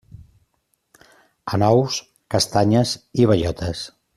Anous, castanyes i bellotes.